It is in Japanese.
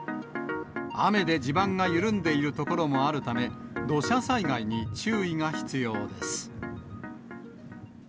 雨で地盤が緩んでいる所もあるため、土砂災害に注意が必要です。